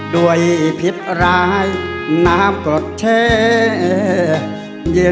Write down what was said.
ด้วยผิดรายน้ำกอดเทเย็น